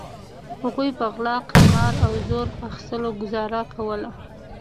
هغوی په غلا قمار او زور په اخیستلو ګوزاره کوله.